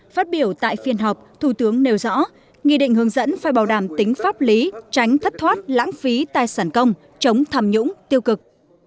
phát biểu tại phiên họp thủ tướng nêu rõ nghị định hướng dẫn phải bảo đảm tính pháp lý tránh thất thoát lãng phí tài sản công chống tham nhũng tiêu cực